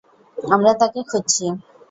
আমরা তাকে খুঁজছি।